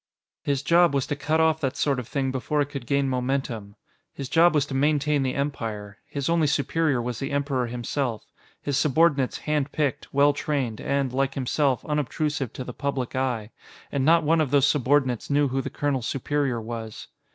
His job was to cut off that sort of thing before it could gain momentum. His job was to maintain the Empire; his only superior was the Emperor himself; his subordinates hand picked, well trained, and, like himself, unobtrusive to the public eye. And not one of those subordinates knew who the colonel's superior was.